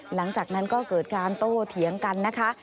หลังจากนั้นก็เกิดการโต้เถียงกันนะคะ